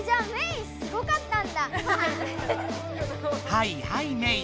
はいはいメイ。